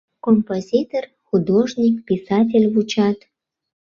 Композитор, художник, писатель вучат.